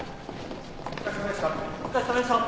・お疲れさまでした。